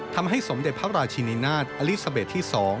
ทำให้สมเด็จพระราชินีนาฏอลิซาเบสที่๒